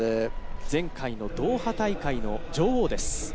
前回のドーハ大会の女王です。